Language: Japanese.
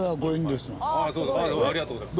ありがとうございます。